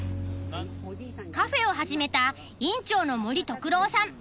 カフェを始めた院長の森徳郎さん。